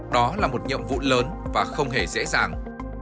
đó là một nhiệm vụ lớn và không hề dễ dàng